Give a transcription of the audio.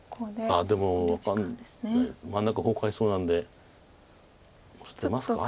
あっでも真ん中崩壊しそうなんで出ますか？